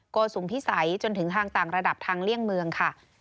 โกสุมพิสัยจนถึงทางต่างระดับทางเลี่ยงเมืองค่ะ